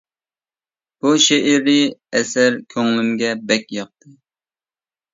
بۇ شېئىرىي ئەسەر كۆڭلۈمگە بەك ياقتى.